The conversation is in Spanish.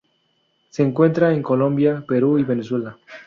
Se encuentra en Colombia, Perú, y Venezuela.